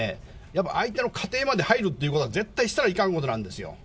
やっぱり相手の家庭まで入るということは、絶対、したらいかんことなんですよ。